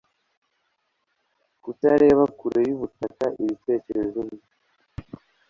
Kutareba kure yubutaka ibitekerezo bye